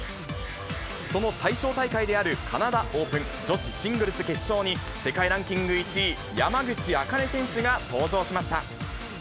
その対象大会であるカナダオープン女子シングルス決勝に、世界ランキング１位、山口茜選手が登場しました。